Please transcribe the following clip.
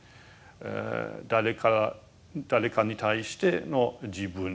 誰か誰かに対しての自分。